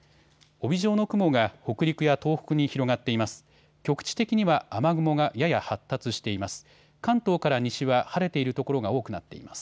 帯状の雲が北陸や東北に広がっています。